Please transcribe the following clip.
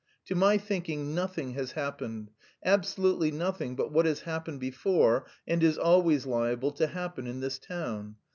To my thinking, nothing has happened, absolutely nothing but what has happened before and is always liable to happen in this town.